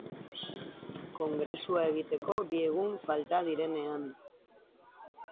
Kongresua egiteko bi egun falta direnean.